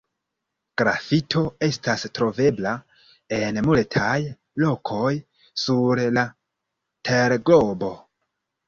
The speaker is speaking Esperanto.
Grafito estas trovebla en multaj lokoj sur la terglobo.